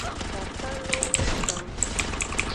Fafalo wugan.